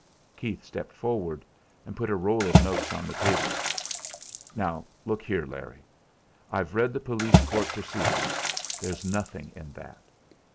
Keith stepped forward, and put a roll of notes on the table. "Now look here, Larry. I've read the police court proceedings. There's nothing in that.